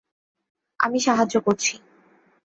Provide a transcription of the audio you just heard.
আমি সাহায্য করছি।